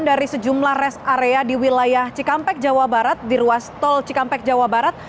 dari sejumlah rest area di wilayah cikampek jawa barat di ruas tol cikampek jawa barat